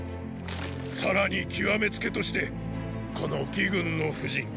さらに極めつけとしてこの魏軍の布陣ーー。